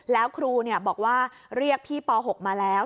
แล้วครูบอกว่าเรียกพี่ป๖มาแล้ว